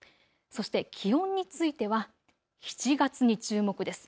そして気温については７月に注目です。